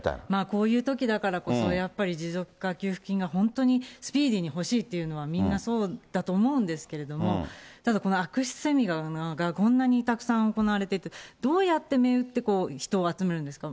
こういうときだからこそ、やっぱり持続化給付金が、本当にスピーディーに欲しいというのは、みんなそうだと思うんですけれども、ただこの悪質セミナーがこんなにたくさん行われてて、どうやって銘打って人を集めるんですか？